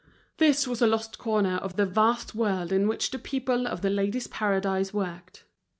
This was a lost corner of the vast world in which the people of The Ladies' Paradise worked.